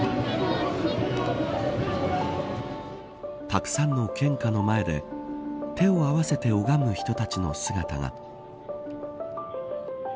たくさんの献花の前で手を合わせて拝む人たちの姿が。